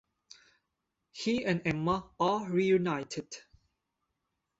He and Emma are reunited.